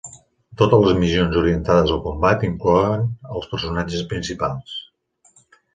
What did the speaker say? Totes les missions orientades al combat inclouen els personatges principals.